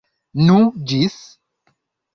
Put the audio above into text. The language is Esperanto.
Nu, ĝis!